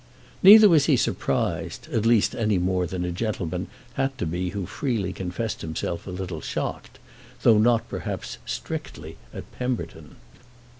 Neither was he surprised—at least any more than a gentleman had to be who freely confessed himself a little shocked—though not perhaps strictly at Pemberton.